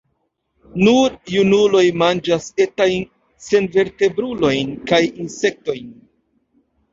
Nur junuloj manĝas etajn senvertebrulojn kaj insektojn.